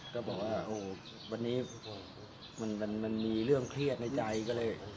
ก็บอกว่าโอ้วันนี้มันมีเรื่องเครียดในใจก็เลย